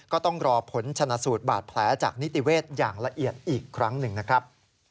ก็ต้องรอผลชนะสูตรบาดแผลจากนิติเวศอย่างละเอียดอีกครั้งหนึ่งนะครับ